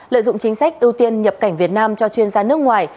lợi dụng chính sách ưu tiên nhập cảnh việt nam cho chuyên gia nước ngoài